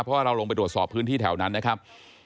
เพราะว่าเราลงไปตรวจสอบพื้นที่แถวนั้นนะครับ